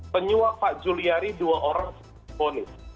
penyuap pak juliari dua orang ponis